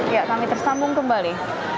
ya kami tersambung kembali